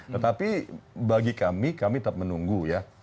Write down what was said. tetapi bagi kami kami tetap menunggu ya